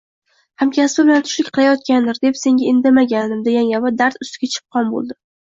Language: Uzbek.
Hamkasbi bilan tushlik qilayotgandir, deb senga indamagandim degan gapi dard ustiga chipqon bo`ldi